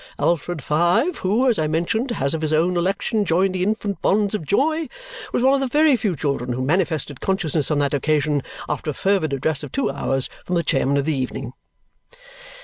Alfred (five), who, as I mentioned, has of his own election joined the Infant Bonds of Joy, was one of the very few children who manifested consciousness on that occasion after a fervid address of two hours from the chairman of the evening."